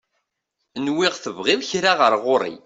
Nwiɣ tebɣiḍ kra ɣer ɣur-i?